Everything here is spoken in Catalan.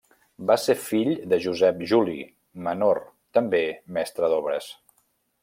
Va ser fill de Josep Juli, menor, també mestre d'obres.